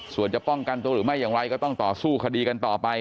ส่วนจะป้องกันตัวหรือไม่อย่างไรก็ต้องต่อสู้คดีกันต่อไป